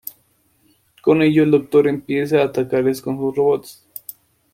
Con ello el doctor empieza a atacarles con sus robots.